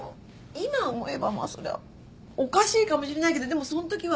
今思えばまあそりゃおかしいかもしれないけどでもそのときは。